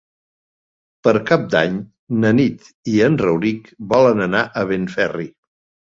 Per Cap d'Any na Nit i en Rauric volen anar a Benferri.